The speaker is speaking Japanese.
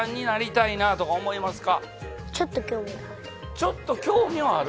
ちょっと興味はある。